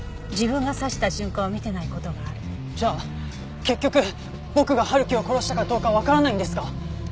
じゃあ結局僕が春樹を殺したかどうかわからないんですか？